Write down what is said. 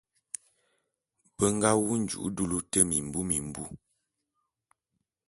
Be nga wu nju'u dulu te mimbi mimbu.